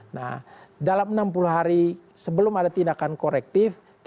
nah dalam enam puluh hari sebelum ada tindakan korektif